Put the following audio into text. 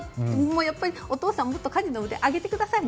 お父さんもっと家事の腕を上げてください。